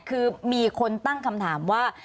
คือมีคนตั้งคำถามว่า